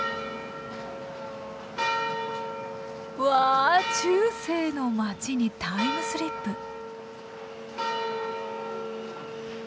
わあ中世の街にタイムスリップ。